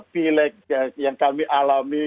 pilek yang kami alami